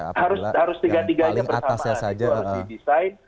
harus tiga tiganya bersamaan